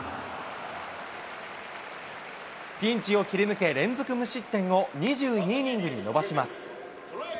ピンチを切り抜け、連続無失点を２２イニングに伸ばします。